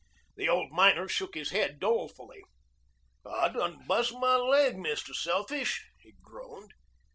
The old miner shook his head dolefully. "I done bust my laig, Mr. Selfish," he groaned.